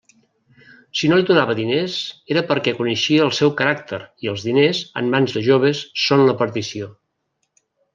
Si no li donava diners, era perquè coneixia el seu caràcter, i els diners, en mans de joves, són la perdició.